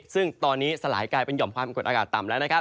ซึ่งตอนนี้สลายกลายเป็นหย่อมความกดอากาศต่ำแล้วนะครับ